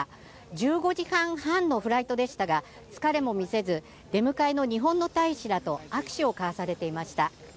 １５時間半のフライトでしたが疲れも見せず出迎えた日本人大使らと握手を交わされていました。